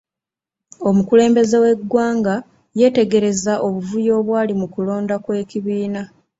Omukulembeze w'eggwanga yetegereza obuvuyo obwali mu kulonda kw'ekibiina.